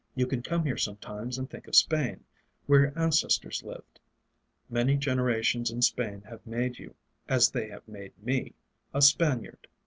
You can come here sometimes and think of Spain, where your ancestors lived. Many generations in Spain have made you as they have made me a Spaniard."